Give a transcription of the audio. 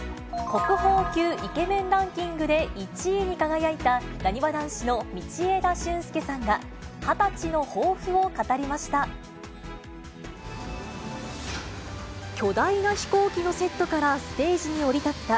国宝級イケメンランキングで１位に輝いた、なにわ男子の道枝駿佑さんが、２０歳の抱負を語りました。